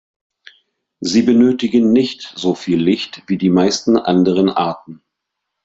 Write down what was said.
Sie benötigen nicht so viel Licht wie die meisten anderen Arten.